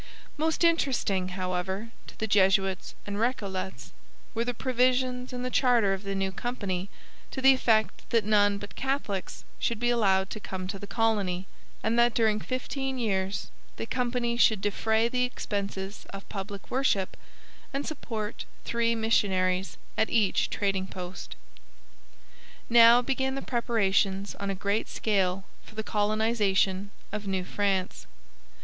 Most interesting, however, to the Jesuits and Recollets were the provisions in the charter of the new company to the effect that none but Catholics should be allowed to come to the colony, and that during fifteen years the company should defray the expenses of public worship and support three missionaries at each trading post. Now began the preparations on a great scale for the colonization of New France.